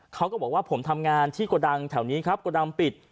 เขาก็บอกว่าผมทำงานที่กระดังแถวนี้ครับกระดังปิด